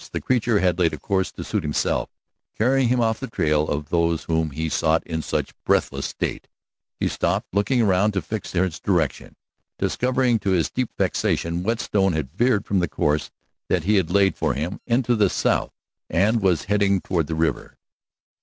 The creature had laid a course to suit himself, carrying him off the trail of those whom he sought in such breathless state. He stopped, looking round him to fix his direction, discovering to his deep vexation that Whetstone had veered from the course that he had laid for him into the south, and was heading toward the river.